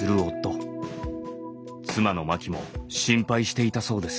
妻の真紀も心配していたそうです。